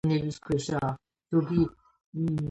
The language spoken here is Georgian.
მონბლანის მასივი ჰერცინული კრისტალური ფუნდამენტის შვერილია.